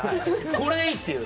これでいいって。